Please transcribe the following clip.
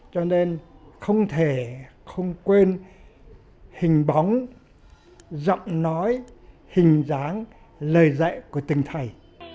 cho nên không thể không quên hình bóng giọng nói hình dáng lời dạy của từng thầy